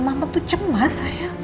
mama tuh cemas sayang